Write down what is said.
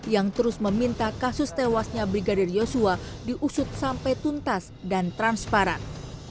yang terus meminta kasus tewasnya brigadir yosua diusut sampai tuntutan